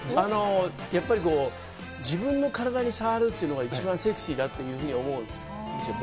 やっぱりこう、自分の体に触るっていうのが、一番セクシーだっていうふうに思うんですよ、僕。